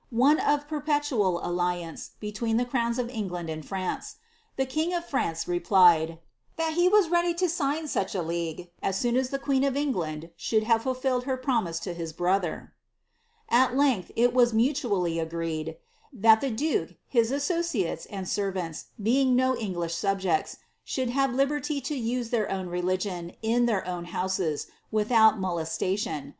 one of perpetual alliance between the crowns of England and r. uice. The king of France replied, " that he was ready to sign such • Uo ^rd. ' Camden j Stowe. • Sidney Papers. '29* Sd2 SLIZABBTH. B league, ai soon as the (]ueen of England shoold hare fulfilled ber pro mise In hi* brother." Al length, it was muitially agreed, thai tlw ilukc. his asBociau^s, and servants, being no English subjects, should have liberty to use ibeir own religion, in their own houses, without mole.'fiation.